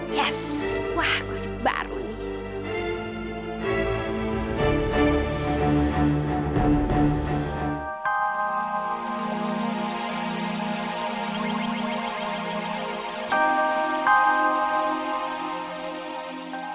yes wah kus baru nih